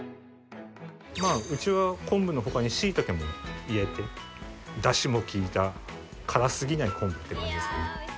うちは昆布の他にシイタケも入れてダシも利いた辛すぎない昆布って感じですかね。